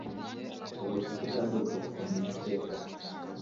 ubucuti kandi ukabukomeza iteka